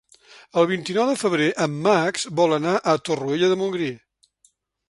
El vint-i-nou de febrer en Max vol anar a Torroella de Montgrí.